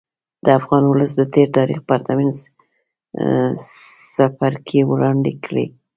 د افغان ولس د تېر تاریخ پرتمین څپرکی وړاندې کړي.